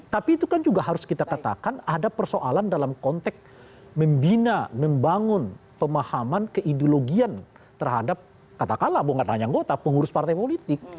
tapi itu kan juga harus kita katakan ada persoalan dalam konteks membina membangun pemahaman keideologian terhadap katakanlah bukan hanya anggota pengurus partai politik